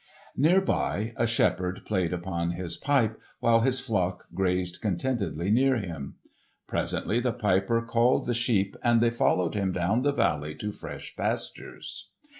Near by, a shepherd played upon his pipe while his flock grazed contentedly near him. Presently the piper called the sheep and they followed him down the valley to fresh pastures.